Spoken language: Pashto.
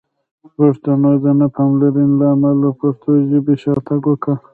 د پښتنو د نه پاملرنې له امله پښتو ژبې شاتګ وکړ!